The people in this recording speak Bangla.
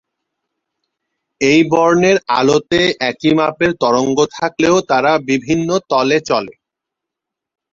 একই বর্ণের আলোতে একই মাপের তরঙ্গ থাকলেও তারা বিভিন্ন তলে চলে।